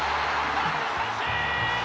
空振り三振！